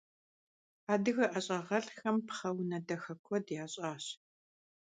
Адыгэ ӀэщӀагъэлӀхэм пхъэ унэ дахэ куэд ящӀащ.